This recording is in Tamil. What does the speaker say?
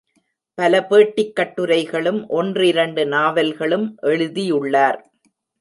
பல பேட்டிக் கட்டுரைகளும், ஒன்றிரண்டு நாவல்களும் எழுதியுள்ளார்.